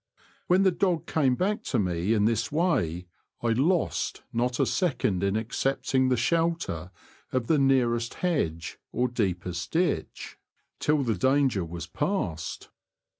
When the dog came back to me in this way I lost not a second in accepting the shelter of the nearest hedge or deepest ditch 62 The Confessions of a T^oacher. till the danger was past.